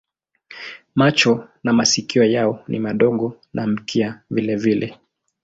Macho na masikio yao ni madogo na mkia vilevile.